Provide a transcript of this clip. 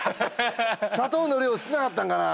砂糖の量少なかったんかな？